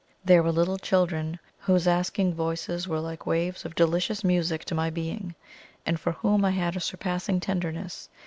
There were little children, whose asking voices were like waves of delicious music to my being, and for whom I had a surpassing tenderness.